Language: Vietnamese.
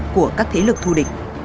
của các thế lực thu địch